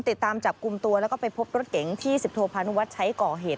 ติดตามจับกลุ่มตัวแล้วก็ไปพบรถเก๋งที่สิบโทพานุวัฒน์ใช้ก่อเหตุ